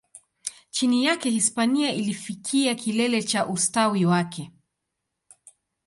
Chini yake, Hispania ilifikia kilele cha ustawi wake.